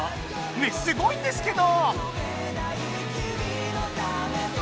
ねえすごいんですけど！